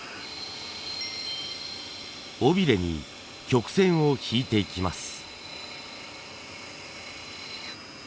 尾ビレに曲線を引いていきます。